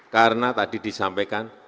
karena tadi disampaikan